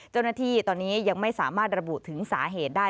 เจ้าหน้าที่ตอนนี้ยังไม่สามารถระบุถึงสาเหตุได้